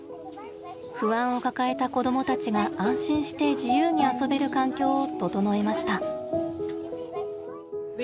不安を抱えた子どもたちが安心して自由に遊べる環境を整えました。